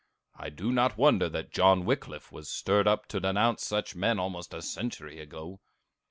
I do not wonder that John Wickliffe was stirred up to denounce such men almost a century ago!"